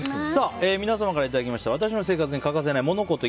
皆様からいただいた私の生活に欠かせないモノ・コト。